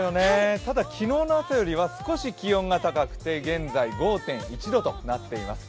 ただ昨日の朝よりは少し気温が高くて現在５．１度となっています。